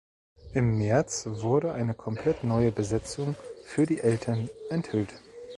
Im März wurde eine komplett neue Besetzung für die Eltern enthüllt.